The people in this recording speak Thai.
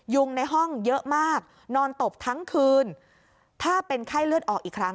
งในห้องเยอะมากนอนตบทั้งคืนถ้าเป็นไข้เลือดออกอีกครั้ง